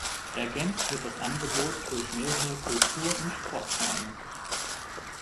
Ergänzt wird das Angebot durch mehrere Kultur- und Sportvereine.